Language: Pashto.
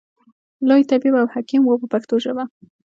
لوی طبیب او حکیم و په پښتو ژبه.